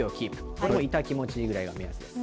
これもいた気持ちいいぐらいが目安です。